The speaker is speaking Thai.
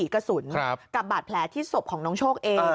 กับบาดแผลที่ศพของน้องโชคเอ